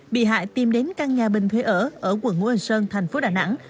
bị hại tìm đến căn nhà bình thuế ở ở quận ngũ ân sơn thành phố đà nẵng